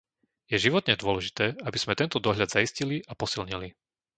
Je životne dôležité, aby sme tento dohľad zaistili a posilnili.